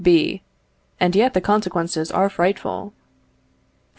B. And yet the consequences are frightful.